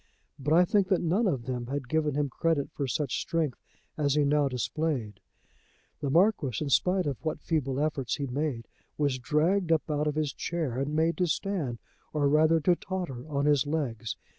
But I think that none of them had given him credit for such strength as he now displayed. The Marquis, in spite of what feeble efforts he made, was dragged up out of his chair and made to stand, or rather to totter, on his legs.